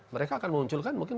mereka akan munculkan mungkin